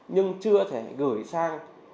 nhưng chưa thể gửi sang